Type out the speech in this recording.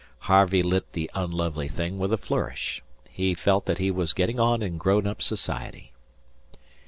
Harvey lit the unlovely thing with a flourish: he felt that he was getting on in grownup society.